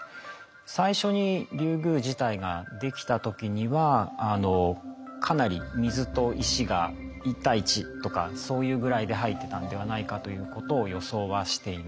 最初にリュウグウ自体が出来た時にはかなり水と石が１対１とかそういうぐらいで入ってたんではないかということを予想はしています。